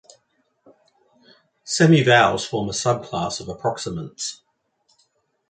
Semivowels form a subclass of approximants.